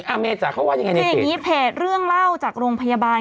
อ้าวแม่จักรเขาว่าอย่างไรในเพจเพจเรื่องเล่าจากโรงพยาบาล